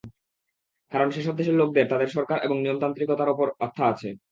কারণ সেসব দেশের লোকদের তাদের সরকার এবং নিয়মতান্ত্রিকতার ওপর আস্থা আছে।